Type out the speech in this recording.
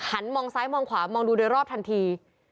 มองซ้ายมองขวามองดูโดยรอบทันที